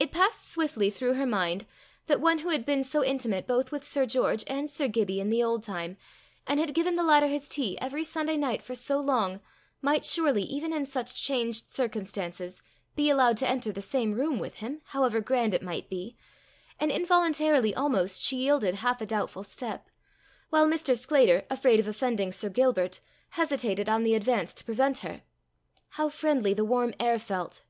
It passed swiftly through her mind that one who had been so intimate both with Sir George and Sir Gibbie in the old time, and had given the latter his tea every Sunday night for so long, might surely, even in such changed circumstances, be allowed to enter the same room with him, however grand it might be; and involuntarily almost she yielded half a doubtful step, while Mr. Sclater, afraid of offending Sir Gilbert, hesitated on the advance to prevent her. How friendly the warm air felt!